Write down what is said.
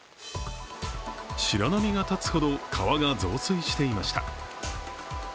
白波が立つほど川が増水していました。